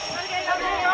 pergi dari kampung ini